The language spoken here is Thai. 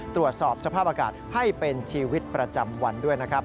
ตรวจสอบสภาพอากาศให้เป็นชีวิตประจำวันด้วยนะครับ